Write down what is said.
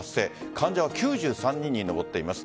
患者は９３人に上っています。